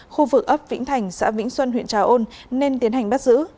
khu vực ấp vĩnh thành xã vĩnh xuân huyện trà ôn nên tiến hành bắt giữ